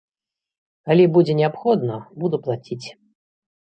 Калі будзе неабходна, буду плаціць.